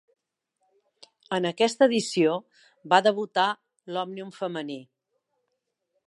En aquesta edició va debutar l'Òmnium femení.